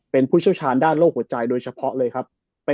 เป็นผู้เชี่ยวชาญด้านโรคหัวใจโดยเฉพาะเลยครับ